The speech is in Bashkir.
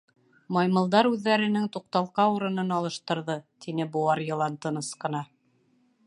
— Маймылдар үҙҙәренең туҡталҡа урынын алыштырҙы, — тине быуар йылан тыныс ҡына.